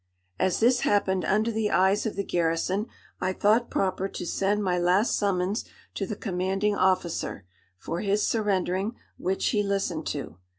As this happened under the eyes of the garrison, I thought proper to send my last summons to the commanding officer, for his surrendering, which he listened to.